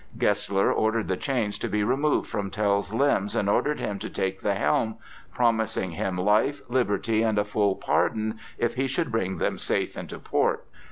Gessler ordered the chains to be removed from Tell's limbs and ordered him to take the helm, promising him life, liberty, and a full pardon if he should bring them safe into port.